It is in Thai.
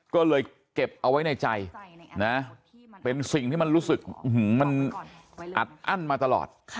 ก็เลยเก็บเอาไว้ในใจนะเป็นสิ่งที่มันรู้สึกมันอัดอั้นมาตลอด